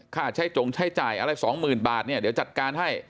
ค่าใช้จงใช้จ่ายอะไรสองหมื่นบาทเนี่ยเดี๋ยวจัดการให้